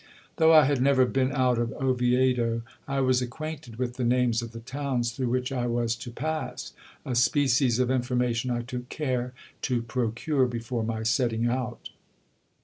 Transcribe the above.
Though I had never been out of Oviedo I was acquainted with the names of the towns through which I was to pass ; a species of information I took care to procure before my setting out.